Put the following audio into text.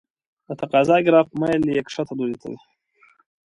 د تقاضا ګراف میل یې ښکته لوري ته وي.